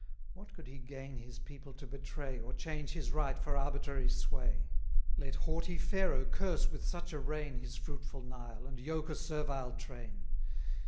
What could he gain his people to betray, Or change his right for arbitrary sway? 330 Let haughty Pharaoh curse with such a reign His fruitful Nile, and yoke a servile train.